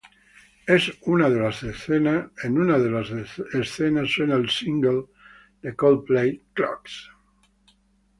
En una de las escenas suena el single de Coldplay: "Clocks".